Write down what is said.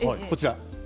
こちら。